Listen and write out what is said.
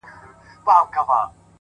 هره لاسته راوړنه کوچنی پیل لري،